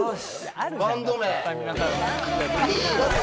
バンド名。